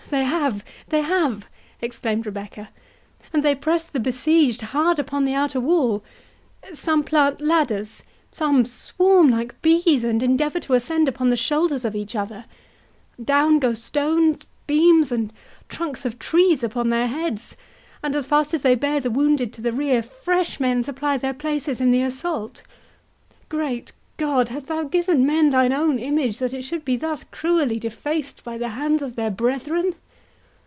"They have—they have!" exclaimed Rebecca—"and they press the besieged hard upon the outer wall; some plant ladders, some swarm like bees, and endeavour to ascend upon the shoulders of each other—down go stones, beams, and trunks of trees upon their heads, and as fast as they bear the wounded to the rear, fresh men supply their places in the assault—Great God! hast thou given men thine own image, that it should be thus cruelly defaced by the hands of their brethren!"